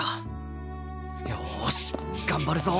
よし頑張るぞ！